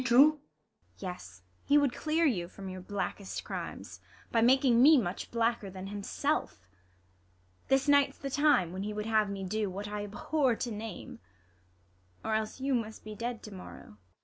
Infernal Angelo ! can this be true 1 ISAB. Yes, he would clear you from your blackest crimes. By making me much blacker than himself. This night's the time, Avhen he would have me do What I abhor to name, or else you must Be dead to morrow.